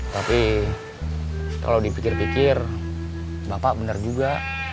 tapi kalau dipikir pikir bapak benar juga